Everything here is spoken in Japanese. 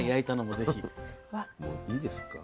もういいですか。